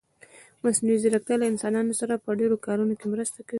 مصنوعي ځيرکتيا له انسانانو سره په ډېرو کارونه کې مرسته کوي.